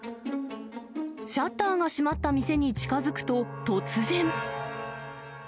シャッターが閉まった店に近づくと突然。